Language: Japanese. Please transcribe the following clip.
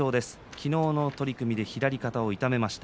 昨日の取組で左肩を痛めました。